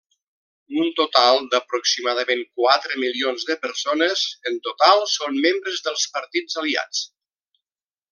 Un total d'aproximadament quatre milions de persones en total són membres dels partits aliats.